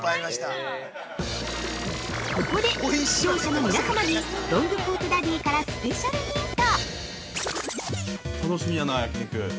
◆ここで、視聴者の皆様にロングコートダディからスペシャルヒント。